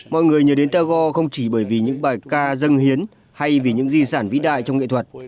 mọi người nhớ đến tagore không chỉ bởi vì những bài ca dân hiến hay vì những di sản vĩ đại trong nghệ thuật